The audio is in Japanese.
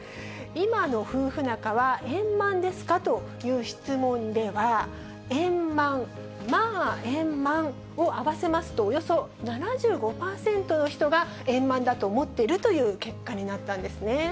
今の夫婦仲は、円満ですかという質問では、円満、まあ円満を合わせますと、およそ７５％の人が円満だと思ってるという結果になったんですね。